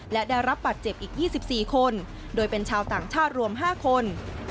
และได้รับบัตรเจ็บอีก๒๔คนโดยเป็นชาวต่างชาติรวม๕คน